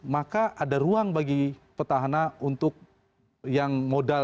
maka ada ruang bagi petahana untuk yang modal